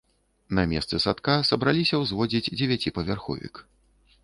На месцы садка сабраліся ўзводзіць дзевяціпавярховік.